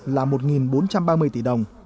là một bốn trăm ba mươi tỷ đồng